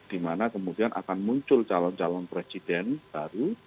dimana kemudian akan muncul calon calon presiden baru